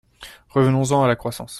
Revenons-en à la croissance.